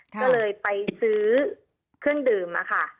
ก็เลยไปซื้อเครื่องดื่มค่ะ